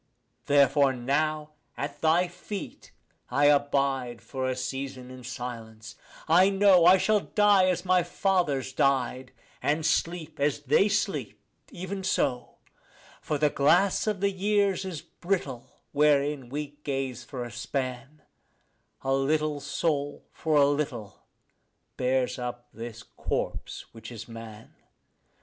Therefore now at thy feet I abide for a season in silence. I know I shall die as my fathers died, and sleep as they sleep; even so. For the glass of the years is brittle wherein we gaze for a span; A little soul for a little bears up this corpse which is man.